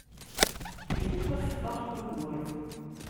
Yewwet taseddart d ugur.